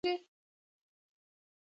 ایا میلمانه مو خوښیږي؟